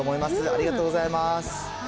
ありがとうございます。